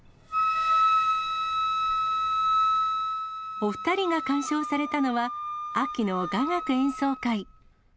お２人が鑑賞されたのは、秋の雅楽演奏会。